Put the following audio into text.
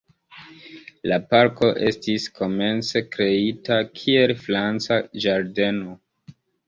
La parko estis komence kreita kiel franca ĝardeno.